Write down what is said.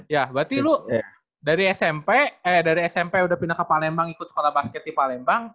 ya berarti lo dari smp eh dari smp udah pindah ke palembang ikut sekolah basket di palembang